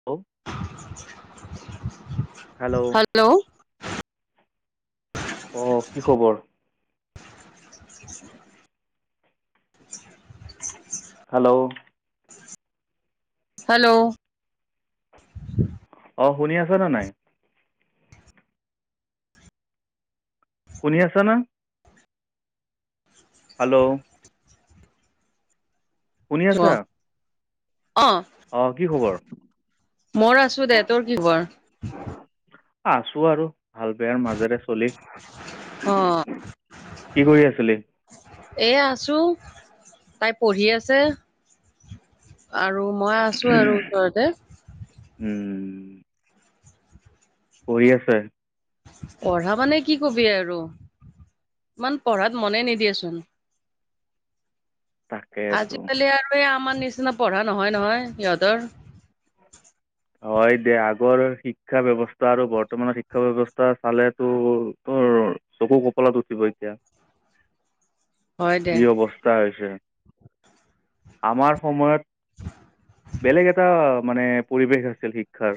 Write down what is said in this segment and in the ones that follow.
[unintelligible] [inaudible] Hello hello অঁ কি খবৰ? হেল্ল' হেল্ল' অ শুনি আছ নে নাই? শুনি আছা না? হেল্ল'! শুনি অ আছা অহ। অঁ কি খবৰ? মোৰ আছো দে। তোৰ কি খবৰ? আছো আৰু। ভাল বেয়াৰ মাজেৰে চলি। অ কি কৰি আছিলি? এয়া আছো তাই পঢ়ি আছে। আৰু মই আছো আৰু ওচৰতে। উম পঢ়ি আছে? পঢ়া মানে কি কবি আৰু, ইমান পঢ়াত মনে নিদিয়ে চোন। তাকেতো আজিকালি আৰু এই আমাৰ নিচিনা পঢ়া নহয় নহয় সিহঁতৰ। হয় দে আগৰ শিক্ষা ব্যৱস্থা আৰু বৰ্তমানৰ শিক্ষা ব্যৱস্থা চালেতো তোৰ চকু কপলাত উঠিব এতিয়া। হয় দে যি অৱস্থা হৈছে, আমাৰ সময়ত বেলেগ এটা মানে পৰিৱেশ আছিল শিক্ষাৰ।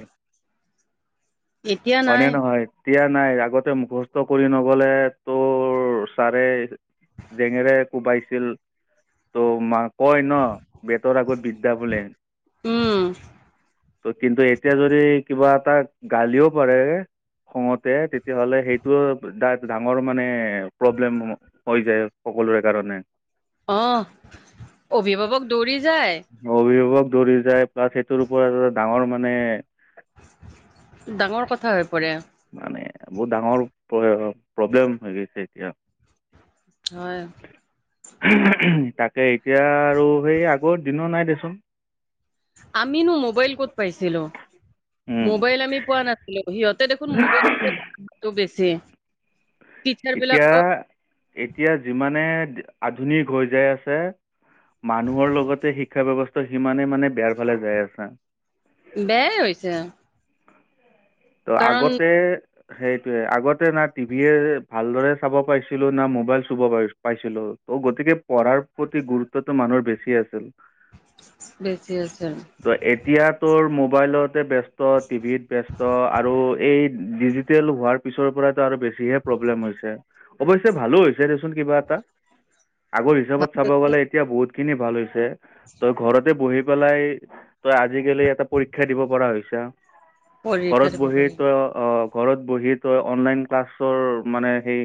এতিয়া হয় নে নাই নহয়? এতিয়া নাই আগতে মুখস্থ কৰি নগলে তোৰ ছাৰে জেঙেৰাই কোবাইছিল ত' মা কয় ন বেতৰ আগত বিদ্যা বোলে। উম। কিন্তু এতিয়া যদি কিবা এটা গালিও পাৰে খঙতে তেতিয়াহ'লে সেইটো এটা ডাঙৰ মানে প্ৰব্লেম সমূহ হৈ যায় সকলোৰে কাৰণে। অঁহ অভিভাৱক দৌৰি যায়। অভিভাৱক দৌৰি যায় প্লাছ সেইটোৰ ওপৰত এটা ডাঙৰ মানে ডাঙৰ কথা হৈ পৰে। মানে বহুত ডাঙৰ প্ৰ প্ৰব্লেম হৈ গৈছে এতিয়া হয়। তাকে এতিয়া আৰু সেই আগৰ দিনও নাই দেচোন। আমিনো মোবাইল ক'ত পাইছিলো, উম মোবাইল আমি পোৱা নাছিলো সিহঁ তে দেখোন মোবাইল [unintelligible] বেছি। টিচাৰ এতিয়া, বিলাকক এতিয়া যিমানে আধুনিক হৈ যায় আছে মানুহৰ লগতে শিক্ষা ব্যয়ৱস্থাও সিমানে মানে বেয়াৰ ফালে যাই আছে। বেয়াই হৈছে। ত' কাৰণ আগতে সেইটোয়ে আগতে না টিভিয়ে ভালদৰে চাব পাৰাইছিলো না মোবাইল চুব পাইছিলো। ত' গতিকে পঢ়াৰ প্ৰতি গুৰুত্বটো মানুহৰ বেছি আছিল। বেছি আছিল। ত এতিয়া তোৰ মোবাইলতে ব্যস্ত, টিভিত ব্যস্ত আৰু এই ডিজিটেল হোৱাৰ পিছৰ পৰাতো আৰু বেছিহে প্ৰব্লেম হৈছে। অবশ্যে ভালো হৈছে দেচোন কিবা এটা। আগৰ হিচাপত চাব গ'লে এতিয়া বহুত খিনি ভাল হৈছে তই ঘৰতে বহি পেলাই তই আজিকালি এটা পৰীক্ষা দিব পৰা হৈছা পৰীক্ষা ঘৰত দিব বহি পাৰি তই অ ঘৰত বহি তই অনলাইন ক্লাছৰ মানে সেই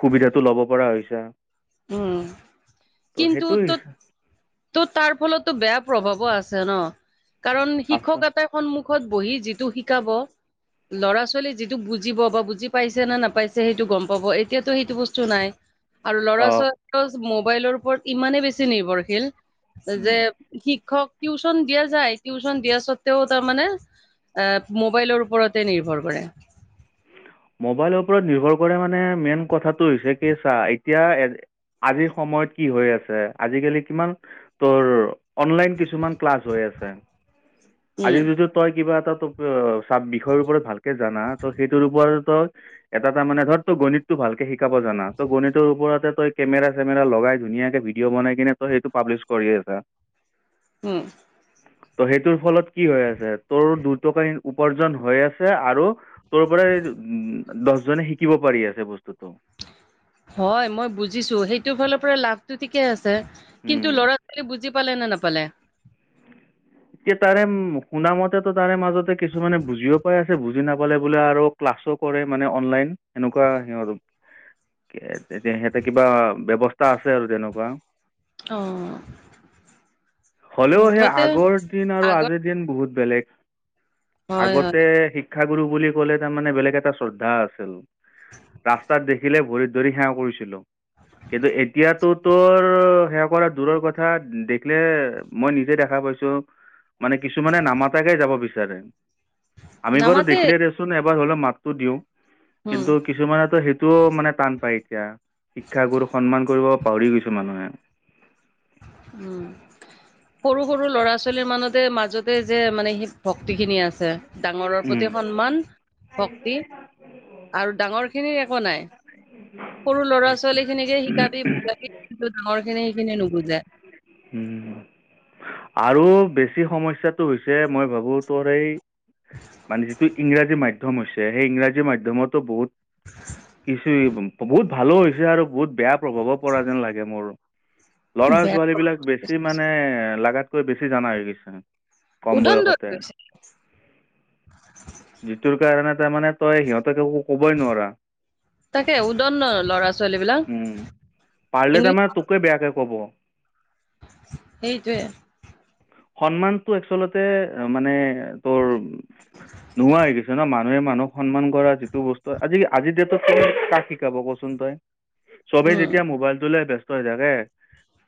সুবিধাটো লব পৰা হৈছা। উম ত' কিন্তু সেইটো ত ত' তাৰ ফলতো বেয়া প্ৰভাৱো আছে ন কাৰণ আছে শিক্ষক এটাই সন্মুখত বহি যিটো শিকাব ল'ৰা ছোৱালীয়ে যিটো বুজিব বা বুজি পাইছে নে নাপাইছে সেইটো গম পাব। এতিয়াতো সেইটো বস্তু নাই। আৰু ল'ৰা অঁ -ছোৱালী মোবাইলৰ ওপৰত ইমানে বেছি নিৰ্ভৰশীল যে শিক্ষক টিউচন দিয়া যায় টিউশচন দিয়া স্বত্ত্বেও তাৰমানে এ মোবাইলৰ ওপৰতে নিৰ্ভৰ কৰে। মোবাইলৰ ওপৰত নিৰ্ভৰ কৰে মানে মেইন কথাটো হৈছে কি চাহ এতিয়া আজিৰ সময়ত কি হৈ আছে আজিকালি কিমান তোৰ অনলাইন কিছুমান ক্লাছ হৈ আছে। আজি উম যদিটো তই কিবা এটা চা বিষয়ৰ ওপৰত ভালকে জানা ত সেইটোৰ ওপৰত তই এটা টা মানে ধৰ তই গণিতটো ভালকে শিকাব জানা ত গণিতৰ ওপৰতে তই কেমেৰা চেমেৰা লগাই ধুনীয়াকে ভিডিঅ' বনাই কিনে ত সেইটো পাব্লিছ কৰি আছা। উম ত' সেইটোৰ ফলত কি হৈ আছে, তোৰ দুটকাহ উপাৰ্জন হৈ আছে আৰু তোৰ পৰাই উ দহজনে শিকিব পাৰি আছে বস্তুতটো হয় মই বুজিছো সেইটোৰ ফালৰ পৰা লাভটো ঠিকে আছে, উম, কিন্তু ল'ৰা ছোৱালী বুজি পালে না নাপালে। এতিয়া তাৰে শুনা মতেতো তাৰে মাজতে কিছুমানে বুজিও পাই আছে। বুজি নাপালে বোলে আৰু ক্লাছো কৰে মানে অনলাইন এনেকুৱা সি আৰু তেতিয়া সিহঁতে কিবা ব্যৱস্থা আছে আৰু তেনেকুৱা। অঁ হ'লেও সেই আগৰ দিন আৰু আগত আজিৰ দিন বহুত বেলেগ হয় আগতে হয় শিক শিক্ষাগুৰু বুলি ক'লে তাৰমানে বেলেগ এটা শ্ৰদ্ধা আছিল ৰাস্তাত দেখিলে ভৰিত ধৰি সেৱা কৰিছিলো কিন্তু এতিয়াতো তোৰ সেয়া কৰা দূৰৰ কথা দেখিলে মই নিজে দেখা পাইছো মানে কিছুমানে নামাতাকে যাব বিচাৰে আমি বাৰো নামাতে দেখিলে দেচোন এবাৰ হলেও মাতটো দিওঁ উম কিন্তু কিছুমানেতো সেইটোও মানে টান পায় এতিয়া শিক্ষাগুৰু সন্মান কৰিব পাহৰি গৈছে মানুহে উম সৰু সৰু ল'ৰা ছোৱালীৰ মানতে মাজতে যে মানে সি ভক্তিখিনি আছে ডাঙৰৰ প্ৰতি উম। সন্মান ভক্তি আৰু ডাঙৰ খিনিৰ একো নাই সৰু ল'ৰা সেইটো ছোৱালী খিনিকে শিকাবি বাকি কিন্তু ডাঙৰ খিনি সেইখিনি নুবুজে উম আৰু বেছি সমস্যাটো হৈছে মই ভাবো তোৰ এই মানে যিটো ইংৰাজী মাধ্যম হৈছে সেই ইংৰাজী মাধ্যমতো বহুত কিছু এই বোৰ বহুত ভালো হৈছে আৰু বহুত বেয়া প্ৰভাৱ পৰা যেন লাগে মোৰ ল'ৰা ছোৱালী বেয়া বিলাক বেছি বেছি মানে লাগাতকৈ বেছি জানা হৈ গৈছে কম উদন্দ হৈ বয়সতে গৈছে যিটোৰ কাৰণে তাৰ মানে তই সিহঁতক একো ক'বই নোৱাৰা তাকে উদন্দ ল'ৰা ছোৱালী বিলাক উম। পাৰিলে ইংলিছ তাৰমানে তোকে বেয়াকে কব সেইটোৱে। সন্মানটো আচলতে মানে তোৰ নোহোৱা হৈ গৈছে ন। মা নুহে মানুহক সন্মান কৰা যিটো বস্তু আজি আজি ডেতটো কাক শিকাব কচোন তই চবেই উম যেতিয়া মোবাইলটোলে ব্যস্ত হৈ থাকে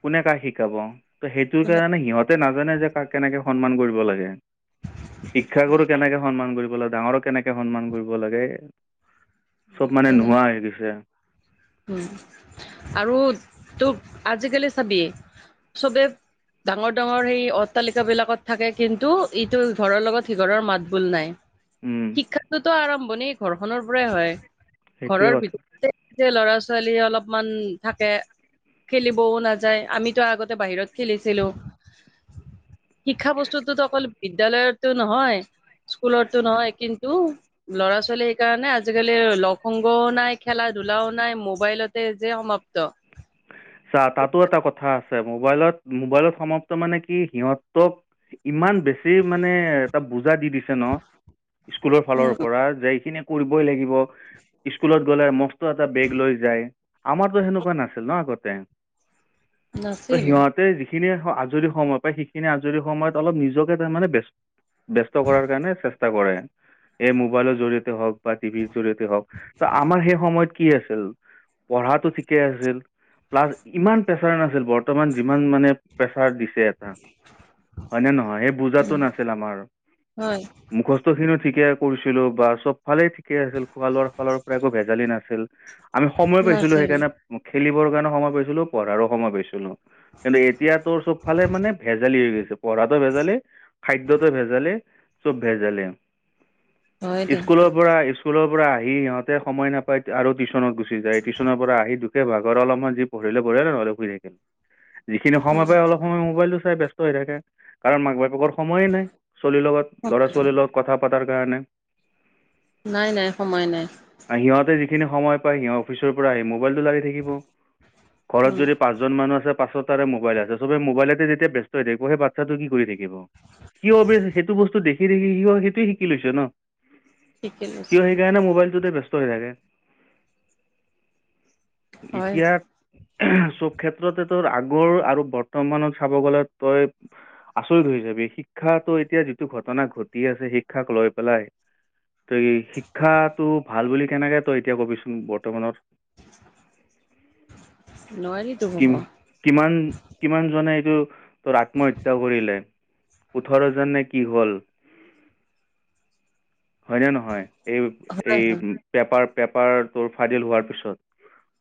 কোনে কাক শিকাব। ত সেইটোৰ কোনে কাৰণে সিহঁতে নাজানে যে কাক কেনেকে সন্মান কৰিব লাগে। হয় শিক্ষাগুৰুক কেনেকে সন্মান কৰিব লাগে ডাঙৰক কেনেকে সন্মান কৰিব লাগে চব মানে নাজানে নোহোৱা হৈ গৈছে। উম, আৰু তোক আজিকালি চাবি চবে ডাঙৰ ডাঙৰ সেই অট্টালিকা বিলাকত থাকে কিন্তু ইটো ঘৰৰ লগত সিঘৰৰ মাত বোল নাই। উম, শিক্ষটোতো আৰম্ভণি ঘৰখনৰ পৰাই হয়। সেইটোৱে ঘৰৰ কথা ভিতৰতে ল'ৰা ছোৱালী অলপমান থাকে খেলিবও নাযায় আমিতো আগতে বাহিৰত খেলিছিলো। শিক্ষা বস্তুটোতো অকল বিদ্যয়ালয়টো নহয়। ইস্কুলতো নহয় কিন্তু ল'ৰা ছোৱালী কাৰণে আজিকালি লগ সংগও নাই খেলা ধূলাও নাই মোবাইলতে যে সমাপ্ত চা তাতো এটা কথা আছে মোবাইলত মোবাইলত সমাপ্ত মানে কি সিহঁতক ইমান বেছি মানে এটা বুজা দি দি ছে ন স্কুলৰ ফালৰ পৰা যে এইখিনি কৰিবই লাগিব স্কুলত গলে মস্ত এটা বেগ লৈ যায়। আমাৰতো সেনেকুৱা নাছিল ন আগতে। ত নাছিল সিহঁ তে যিখিনি আজৰি সময় পায় সেইখিনি আজৰি সময়ত অলপ নিজকে তাৰ মানে ব্য স্ত কৰাৰ কাৰণে চেষ্টা কৰে এই মোবাইলৰ জৰিয়তে হওক বা টিভিৰ জৰিয়তে হওক ত আমাৰ সেই সময়ত কি আছিল পঢ়াটো ঠিকে আছিল। প্লাছ ইমান প্ৰেছাৰ নাছিল বৰ্তমান যিমান মানে প্ৰেছাৰ দিছে। হয় নে নহয় সেই বুজাটো উম নাছিল আমাৰ হয় মুখস্থ খিনিও ঠিকে কৰিছিলো বা চব ফালে ঠিকে আছিল খোৱা লোৱাৰ ফালৰ পৰা একো ভেজালি নাছিল আমি সময় পাইছিলো নাছিল সেইকাৰণে খেলিবৰ কাৰণে সময় পাইছিলো পঢ়াৰো সময় পাইছিলো। কিন্তু এতিয়া তোৰ চব ফালে মানে ভেজালি হৈ গৈছে পঢ়াটো ভেজালি খাদ্যটো ভেজালে। চব ভেজালে হয় দে স্কুলৰ পৰা স্কুলৰ পৰা আহি সিহঁতে সময় না পায় আৰু টিউচনত গুচি যায় টিউচনৰ পৰা আহি ভাগৰ অলপমান যি পঢ়িলে পঢ়ে নহলে শুই থাকে, যিখিনি সময় পায় অলপ সময় মোবাইলটো চাই ব্য স্ত হৈ থাকে কাৰণ মাক বাপেকৰ সময়ে নাই ছোৱালীৰ লগত ল'ৰা সময় ছোৱালীৰ লগত কথা পতাৰ কাৰণে। নাই নাই সময় নাই। সিহঁতে যিখিনি সময় পায় সিহঁতে অফিচৰ পৰা আহি মবাইলটো লাগি থাকিব। ঘৰত উম যদি পাঁচজন মানুহ আছে পাঁচোতাৰে মোবাইল আছে চবে মোবাইলতে যেতিয়া ব্যস্ত হৈ থাকিব সেই বাচ্ছটোৱে কি কৰি থাকিব সিও অবেয়েশ্লী সেইটো বস্তু দেখি দেখি সিও সেইটোৱে শিকি লৈছে না ঠিকে লৈছে সিও সেইকাৰণে মোবাইলটোতে ব্যস্ত হৈ থাকে। হয় এতিয়া চব ক্ষেত্ৰতে তোৰ আগৰ আৰু বৰ্তমানত চাব গ'লে তই আচৰিত হৈ যাবি শিক্ষাটো এতিয়া যিটো ঘটনা ঘটি আছে শিক্ষাক লৈ পেলাই তই শিক্ষাটো ভাল বুলি কেনেকে তই এতিয়া কবিচোন বৰ্তমানত নোৱাৰি। কিম কিমান কিমান জনে এইটো তোৰ আত্মহত্যা কৰিলে? ওঠৰজন নে কি হল হয়নে নহয়? এই হয় হয় এই পেপাৰ পেপাৰটোৰ ফাদিল হোৱাৰ পিছত।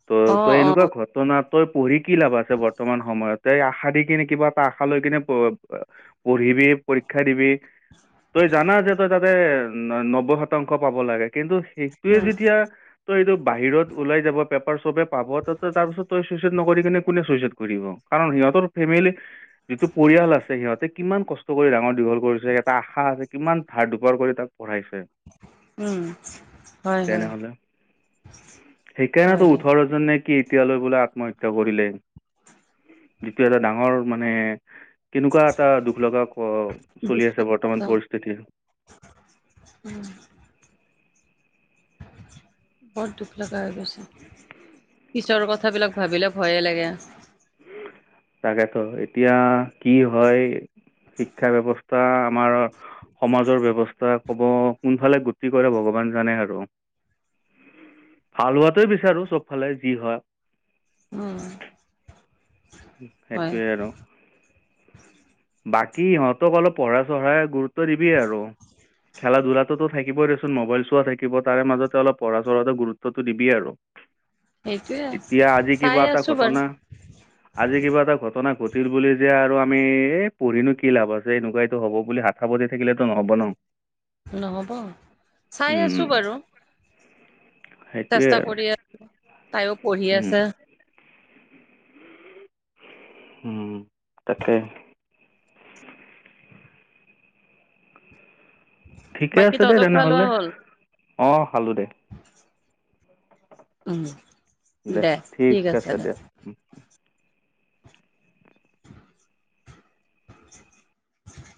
ত অ তই অ এনেকুৱা ঘটনা তই পঢ়ি কি লাভ আছে বৰ্তমান সময়ত। তয় আশা দি কিনে কিবা এটা আশা লৈ কিনে পঢ়িবি পৰীক্ষা দিবি- তই জানা যে তই তাতে নব্বৈ শতাংশ পাব লাগে। কিন্তু, সিটোৱে উম যেতিয়া তই এইটো বাহিৰত ওলাই যাব পেপাৰ চবে- পাব ত তয় তাৰপিছত তই চুইচাইদ নকৰি কিনে কোনে চুইচাইড কৰিব কাৰণ সিহঁতৰ ফেমিলি- যিটো পৰিয়াল আছে সিহঁতে কিমান কষ্ট কৰি ডাঙৰ দীঘল কৰিছে এটা আশা আছে- কিমান ধাৰ দুপাৰ কৰি তাক পঢ়াইছে। উম' হয় হয়। হয় সেইকাৰণেটো দে ওঠৰৰজননে কি এতিয়ালৈ বোলে আত্মহত্যা কৰিলে। যিটো এটা ডাঙৰ মানে- কেনেকুৱা এটা দুখ লগা ঘ চলি আছে বৰ্তমান অ', পৰিস্থিতিৰ। উম' বৰ দুখ লগা হৈ গৈছে। পিছৰ কথাবিলাক ভাবিলে ভয়ে লাগে। তাকেতো এতিয়া কি হয়, শিক্ষা ব্যৱস্থা আমাৰ- সমাজৰ ব্যৱস্থা ক'ব কোনফালে গতি কৰে ভগৱান জানে আৰু। ভাল হোৱাটোৱে বিচাৰোঁ চবফালে যি হয়। উম' হয় সেইটোৱে আৰু বাকী ইহঁতক অলপ পঢ়া চঢ়াই গুৰুত- ত দিবি আৰু খেলা ধূলাটো টোৰ- থাকিবই দেচোন মোবাইল চোৱা থাকিব তাৰে মাজতে অলপ পঢ়া চঢ়াটো গুৰুত্বতটো দিবি আৰু। সেইটোয়ে ইতিয়া আজি চাই কিবা এটা আছো বাৰু ঘটনা- আজি কিবা এটা ঘটনা ঘটিল বুলি যে আৰু আমি এ পঢ়িনো কি লাভ আছে এনেকুৱা এইটো হ'ব বুলি হাত- সাৱতি থাকিলে টো নহব ন। নহ'ব, চাই আছো উম, বাৰু। সেইটোৱে চেষ্টা আৰু কৰি আছো, তাইও পঢ়ি উম, আছে। উম' তাকে। ঠিকে বাকী আছে দে তহঁতৰ খোৱা তেনেহলে, লোৱা হ'ল অঁ খালো দে। দে ঠিক আছে দে। [inaudible]